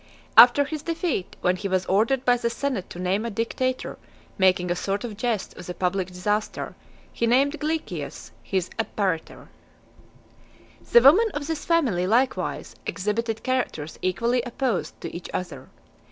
After his defeat, when he (194) was ordered by the senate to name a dictator, making a sort of jest of the public disaster, he named Glycias, his apparitor. The women of this family, likewise, exhibited characters equally opposed to each other.